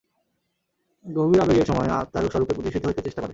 গভীর আবেগের সময়ে আত্মা স্বরূপে প্রতিষ্ঠিত হইতে চেষ্টা করে।